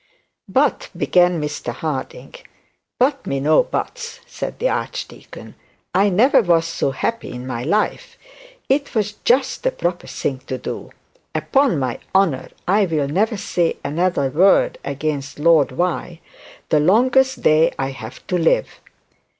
'But ' began Mr Harding. 'But me no buts,' said the archdeacon. 'I never was so happy in my life. It was just the proper thing to do. Upon my honour, I'll never say another word against Lord the longest day I have to live.'